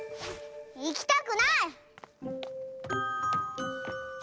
いきたくない！